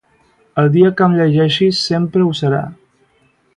El dia que em llegeixis sempre ho serà.